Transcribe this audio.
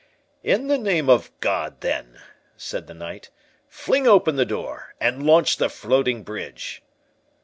"In the name of God, then," said the knight, "fling open the door, and launch the floating bridge."